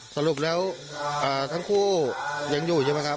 สรุปแล้วทั้งคู่ยังอยู่ใช่ไหมครับ